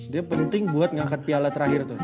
dia penting buat ngangkat piala terakhir tuh